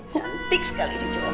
cantik sekali dia cuma